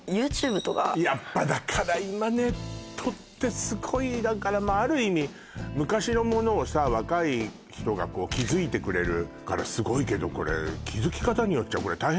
ＹｏｕＴｕｂｅとかやっぱだから今ネットってすごいだからまあある意味昔のものを若い人が気づいてくれるからすごいけどこれ気づき方によっちゃこれよね